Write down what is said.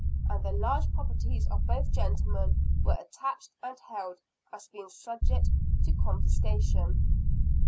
And the large properties of both gentlemen were attached and held as being subject to confiscation.